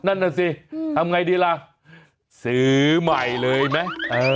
นั่นแหละสิอืมทำไงดีล่ะซื้อใหม่เลยน่ะเออ